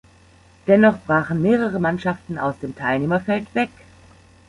Dennoch brachen mehrere Mannschaften aus dem Teilnehmerfeld weg.